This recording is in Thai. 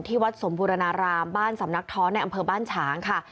วัดสมบูรณารามบ้านสำนักท้อนในอำเภอบ้านฉางค่ะ